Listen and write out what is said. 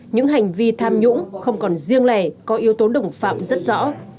những hành vi tham nhũng không còn riêng lẻ có yếu tố đồng phạm rất rõ